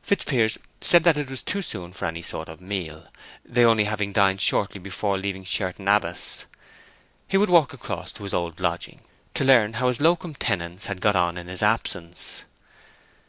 Fitzpiers said it was too soon for any sort of meal, they only having dined shortly before leaving Sherton Abbas. He would walk across to his old lodging, to learn how his locum tenens had got on in his absence.